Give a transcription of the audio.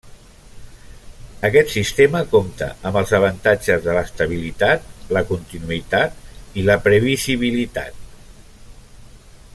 Aquest sistema compta amb els avantatges de l'estabilitat, la continuïtat i la previsibilitat.